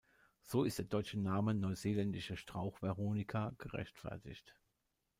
So ist der deutsche Name "Neuseeländische Strauch-Veronika" gerechtfertigt.